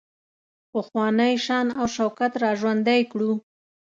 پخوانی شان او شوکت را ژوندی کړو.